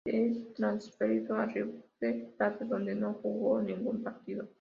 Es transferido a River Plate donde no jugo ningún partido.